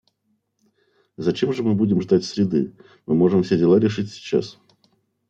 Зачем же мы будем ждать среды, мы можем все дела решить сейчас.